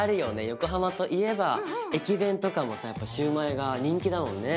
横浜といえば駅弁とかもさやっぱシュウマイが人気だもんね。